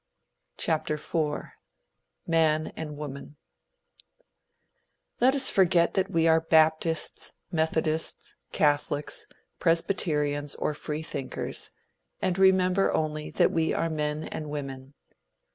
IV. MAN AND WOMAN Let us forget that we are Baptists, Methodists, Catholics, Presbyterians, or Free thinkers, and remember only that we are men and women.